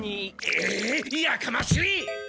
えいやかましい！